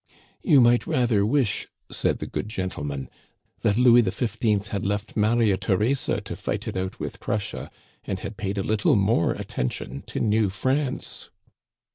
You might rather wish,'* said " the good gentleman," '* that Louis XV had left Maria Theresa to fight it out with Prussia, and had paid a little more attention to New France."